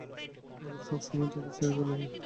বাবারা সবসময়েই তাদের ছায়া ফেলে যায়।